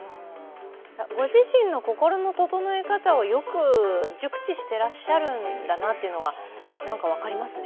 ご自身の心の整え方をよく熟知してらっしゃるんだなというのがよく分かりますね。